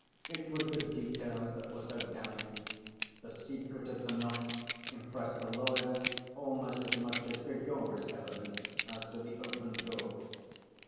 It was the details that were so damning. The secret of the knocks impressed the lawyers almost as much as Grigory's evidence as to the open door.